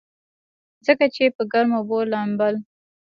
ځکه چې پۀ ګرمو اوبو لامبل